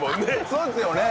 そうですよね。